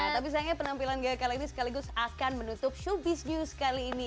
tapi sayangnya penampilan gaya kali ini sekaligus akan menutup showbiz news kali ini